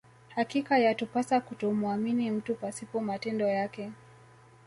Hakika yatupasa kutomuamini mtu pasipo matendo yake